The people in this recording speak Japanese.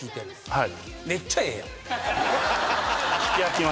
はい。